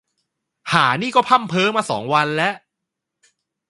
ห่านี่ก็พร่ำเพ้อมาสองวันละ